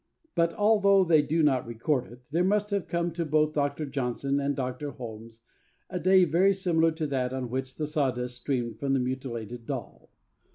But, although they do not record it, there must have come to both Dr. Johnson and Dr. Holmes a day very similar to that on which the sawdust streamed from the mutilated doll.